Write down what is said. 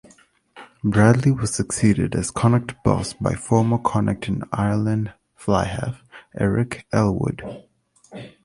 Bradley was succeeded as Connacht boss by former Connacht and Ireland fly-half, Eric Elwood.